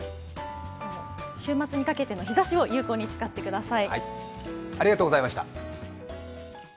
週末にかけての日ざしを有効に使ってください。